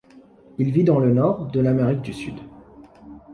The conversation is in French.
Il vit dans le nord de l'Amérique du Sud.